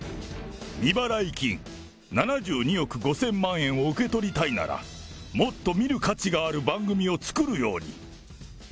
未払金７２億５０００万円を受け取りたいなら、もっと見る価値がある番組を作るように。